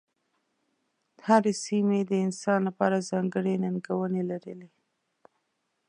هرې سیمې د انسان لپاره ځانګړې ننګونې لرلې.